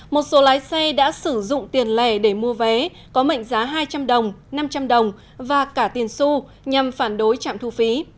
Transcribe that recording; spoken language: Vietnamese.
một số lái xe đã sử dụng tiền lẻ để mua vé có mệnh giá hai trăm linh đồng năm trăm linh đồng và cả tiền su nhằm phản đối trạm thu phí